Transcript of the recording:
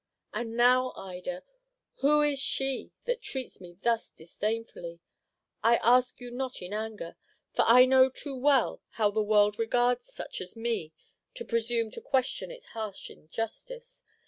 And now, Ida, who is she that treats me thus disdainfully? I ask you not in anger, for I know too well how the world regards such as me to presume to question its harsh injustice.